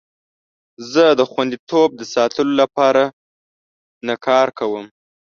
زه د خوندیتوب د ساتلو لپاره نه کار کوم.